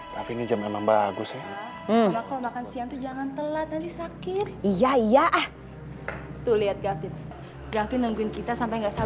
tapi ini jam emang bagus ya